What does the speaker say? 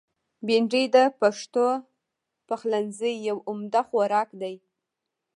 بېنډۍ د پښتو پخلنځي یو عمده خوراک دی